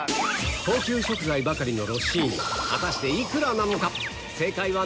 高級食材ばかりのロッシーニ果たして幾らなのか？